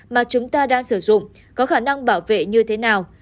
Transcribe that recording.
mà chúng ta đang sử dụng có khả năng bảo vệ như thế nào